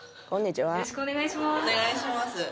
お願いします